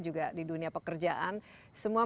juga di dunia pekerjaan semua